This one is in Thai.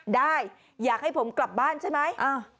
ได้อยากให้ผมกลับบ้านใช่ไหม